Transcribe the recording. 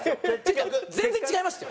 全然違いますよ。